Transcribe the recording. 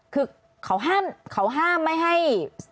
คือเขาห้ามไม่ให้